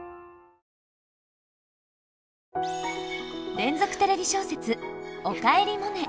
連続テレビ小説「おかえりモネ」。